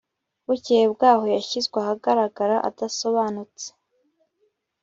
bukeye bwaho, yashyizwe ahagaragara adasobanutse